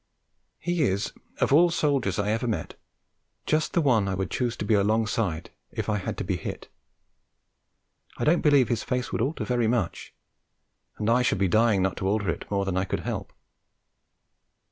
He is, of all soldiers I ever met, just the one I would choose to be alongside if I had to be hit. I don't believe his face would alter very much, and I should be dying not to alter it more than I could help.